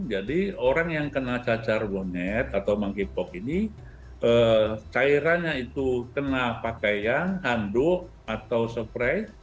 jadi orang yang kena cacar bonet atau monkeypox ini cairannya itu kena pakaian handuk atau spray